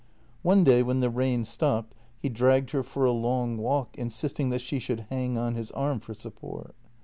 One day when the rain stopped he dragged her for a long walk, insisting that she should hang on his arm for support.